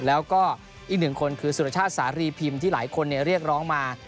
แล้วก็อีกหนึ่งคนคือสุรชาติสารีพิมพ์ที่หลายคนเรียกร้องมา